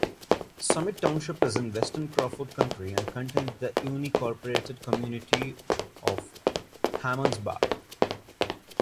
Summit Township is in western Crawford County and contains the unincorporated community of Harmonsburg.